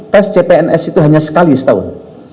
tes cpns itu hanya sekali setahun